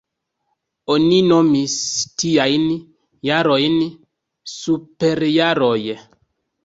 Oni nomis tiajn jarojn superjaroj.